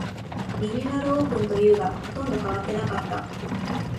リニューアルオープンというが、ほとんど変わってなかった